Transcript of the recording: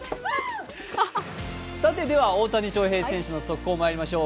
では、大谷翔平選手の速報まいりましょう。